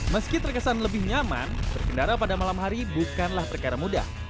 meski terkesan lebih nyaman berkendara pada malam hari bukanlah perkara mudah